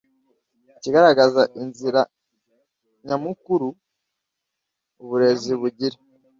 ikagaragaza inzira nyamukuru uburezi bugira